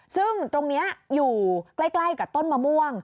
ซึ่งตรงนี้อยู่ใกล้กับต้นมะม่วง